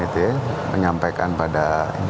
itu ya menyampaikan pada